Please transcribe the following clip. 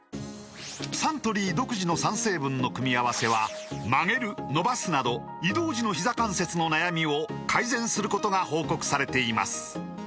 サントリー独自の３成分の組み合わせは曲げる伸ばすなど移動時のひざ関節の悩みを改善することが報告されています